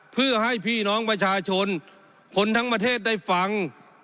เพื่อให้พี่น้องประชาชนคนทั้งประเทศได้ฟัง